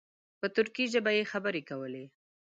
په ترکي ژبه یې خبرې کولې.